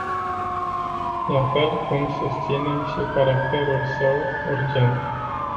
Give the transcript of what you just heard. La fel cum susținem și caracterul său urgent.